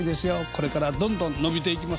これからどんどん伸びていきます。